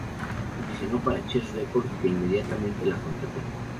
Audicionó para Chess Records, que inmediatamente la contrató.